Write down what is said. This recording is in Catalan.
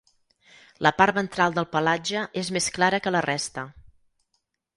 La part ventral del pelatge és més clara que la resta.